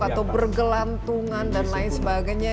atau bergelantungan dan lain sebagainya